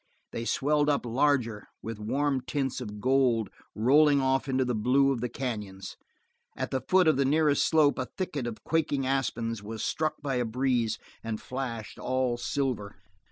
They swelled up larger with warm tints of gold rolling off into the blue of the canyons; at the foot of the nearest slope a thicket of quaking aspens was struck by a breeze and flashed all silver.